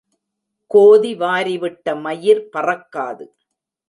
கோதி வாரிவிட்ட மயிர் பறக்காது.